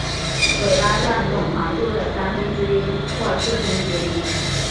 尾巴占总长度的三分之一或四分之一。